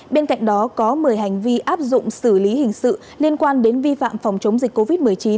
bên cạnh đó có một mươi hành vi áp dụng xử lý hình sự liên quan đến vi phạm phòng chống dịch covid một mươi chín